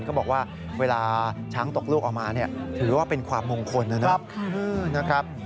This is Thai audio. เขาบอกว่าเวลาช้างตกลูกออกมาเนี่ยถือว่าเป็นความมงคลนะครับ